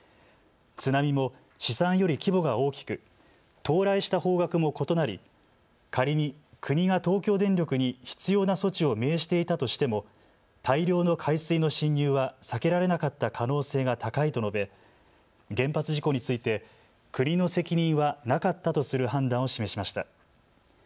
津波も試算より規模が大きく到来した方角も異なり、仮に国が東京電力に必要な措置を命じていたとしても大量の海水の浸入は避けられなかった可能性が高いと述べ原発事故について国の責任はなかったとする判断を示しました。